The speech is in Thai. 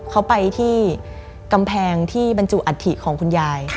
เขาไปที่กำแพงที่บรรจุอัฐิของคุณยาย